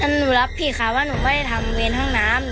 หนูรับผิดค่ะว่าหนูไม่ได้ทำเวรห้องน้ำ